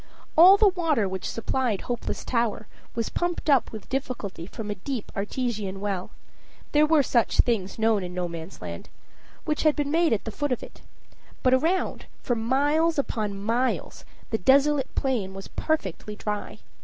All the water which supplied Hopeless Tower was pumped up with difficulty from a deep artesian well there were such things known in Nomansland which had been made at the foot of it. But around, for miles upon miles, the desolate plain was perfectly dry.